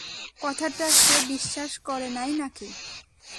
কথাটা সে বিশ্বাস করে নাই নাকি?